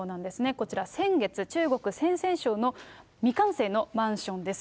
こちら、先月、中国・陝西省の未完成のマンションです。